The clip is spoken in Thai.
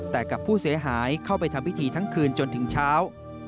แต่กับผู้เสียหายเข้าไปทำพิธีทั้งคืนจนถึงเช้า